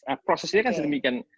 nah prosesnya kan sedemikian